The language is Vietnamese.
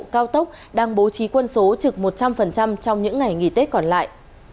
cao tốc đang bố trí quân số trực một trăm linh trong những ngày nghỉ tết còn lại